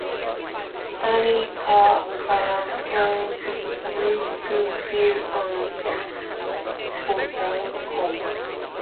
Any card can be used to fill an empty column.